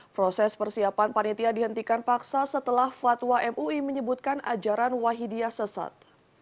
proses persiapan panitia dihentikan paksa setelah fatwa mui menyebutkan ajaran wahidiyah sesat